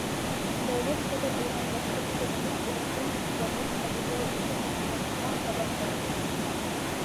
Дәүләт теле булған башҡорт теленең электрон әсбабын әҙерләү эше тамамланыуға табан бара.